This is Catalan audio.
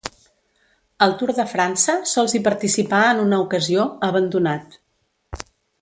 Al Tour de França sols hi participà en una ocasió, abandonat.